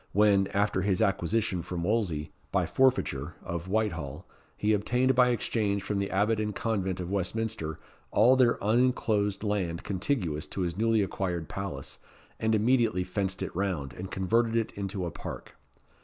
when, after his acquisition from Wolsey, by forfeiture, of Whitehall, he obtained by exchange from the Abbot and Convent of Westminister all their uninclosed land contiguous to his newly acquired palace, and immediately fenced it round, and converted it into a park.